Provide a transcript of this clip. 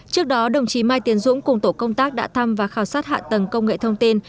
trước đó đồng chí mai tiến dũng cùng tổ công tác đã thăm và khảo sát hạ tầng công nghệ thông tin